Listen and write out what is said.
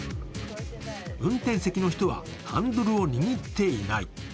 運転席の人は、ハンドルを握っていない。